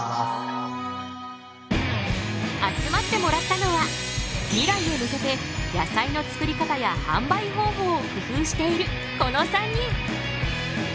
集まってもらったのは未来へ向けて野菜の作り方や販売方法を工夫しているこの３人。